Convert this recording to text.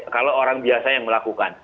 kalau orang biasa yang melakukan